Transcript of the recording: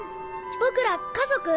僕ら家族？